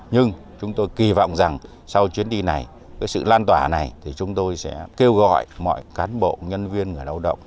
nhưng chúng tôi kỳ vọng rằng sau chuyến đi này sự lan tỏa này thì chúng tôi sẽ kêu gọi mọi cán bộ nhân viên người lao động